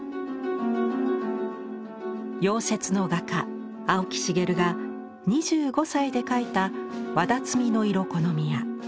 夭折の画家青木繁が２５歳で描いた「わだつみのいろこの宮」。